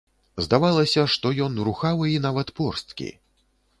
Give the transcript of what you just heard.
Здавалася, што ён рухавы і нават порсткі.